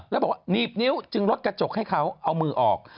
แล้วบอกว่าหนีบนิ้วจึงลดกระจกให้เขาเอามือออก